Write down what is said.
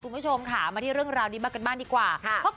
คุณผู้ชมค่ะมาที่เรื่องราวนี้บ้างกันบ้างดีกว่า